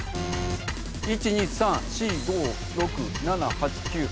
１２３４５６７８９。